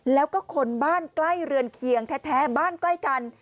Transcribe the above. แล้วก็คนบ้านใกล้เรือนเคียงแท้บ้านใกล้กัน